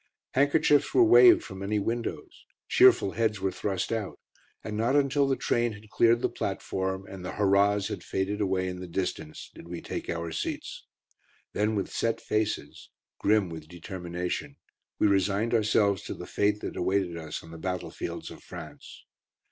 Handkerchiefs were waved from many windows, cheerful heads were thrust out, and not until the train had cleared the platform, and the "hurrahs" had faded away in the distance, did we take our seats. Then with set faces, grim with determination, we resigned ourselves to the fate that awaited us on the battlefields of France.